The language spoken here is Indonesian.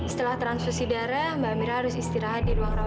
saya semua berharap